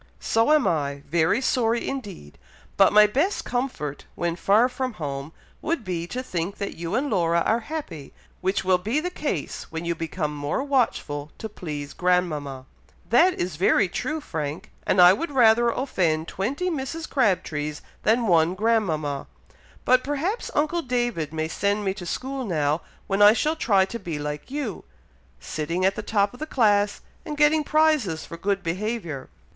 "So am I, very sorry indeed; but my best comfort, when far from home, would be, to think that you and Laura are happy, which will be the case when you become more watchful to please grandmama." "That is very true, Frank! and I would rather offend twenty Mrs. Crabtrees than one grandmama; but perhaps uncle David may send me to school now, when I shall try to be like you, sitting at the top of the class, and getting prizes for good behaviour."